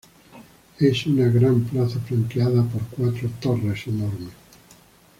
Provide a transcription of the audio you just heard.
Es una gran plaza flanqueada por cuatro torres enormes.